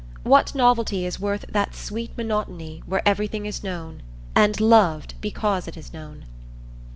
What novelty is worth that sweet monotony where everything is known, and loved because it is known?